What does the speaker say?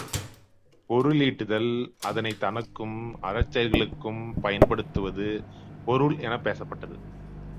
பொருள் ஈட்டுதல் அதனைத் தனக்கும் அறச் செயல்களுக்கும் பயன் படுத்துவது பொருள் எனப் பேசப்பட்டது.